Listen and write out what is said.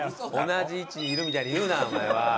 「同じ位置にいる」みたいに言うなお前は。